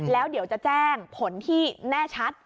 แล้วเดี๋ยวจะแจ้งผลที่แน่ชัด